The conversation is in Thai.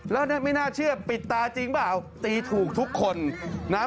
แล้วไม่น่าเชื่อปิดตาจริงเปล่าตีถูกทุกคนนะฮะ